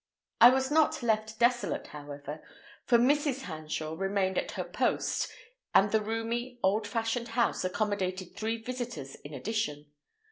I was not left desolate, however, for Mrs. Hanshaw remained at her post, and the roomy, old fashioned house accommodated three visitors in addition.